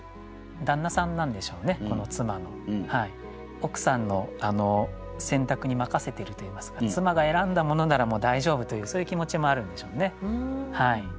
奥さんの選択に任せてるといいますか妻が選んだものならもう大丈夫というそういう気持ちもあるんでしょうね。